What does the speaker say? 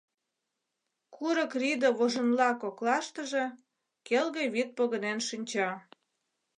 Курык рӱдӧ вожынла коклаштыже келге вӱд погынен шинча.